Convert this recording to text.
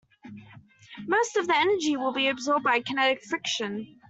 Most of the energy will be absorbed by kinetic friction.